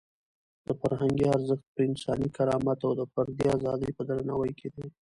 د فرهنګ ارزښت په انساني کرامت او د فردي ازادۍ په درناوي کې دی.